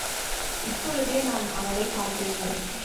இப்பொழுதே நான் அவளைப் பார்க்கவேண்டும்.